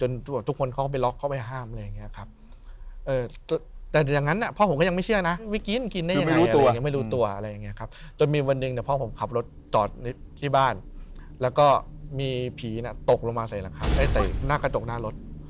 อย่างเนี่ยครับจนมีวันหนึ่งพ่อผมขับรถตอบที่บ้านแล้วก็มีผีโต๊ะลงมาใส่หน้ากระจกหน้ารถ